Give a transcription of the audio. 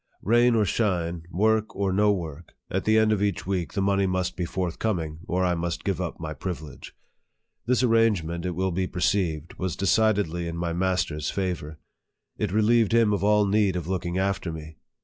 Rain or shine, work or no work, at the end of each week the money must be forthcoming, or I must give up my privilege. This arrangement, it will be perceived, was decidedly in my master's favor. It relieved him of all need of looking after me.